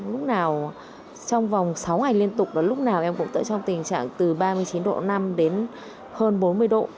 lúc nào trong vòng sáu ngày liên tục và lúc nào em cũng đỡ trong tình trạng từ ba mươi chín độ năm đến hơn bốn mươi độ